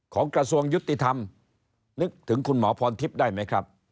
กระทรวงยุติธรรมนึกถึงคุณหมอพรทิพย์ได้ไหมครับ